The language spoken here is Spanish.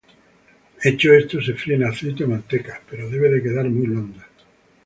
Hecho esto, se fríe en aceite o manteca pero debe quedar muy blanda.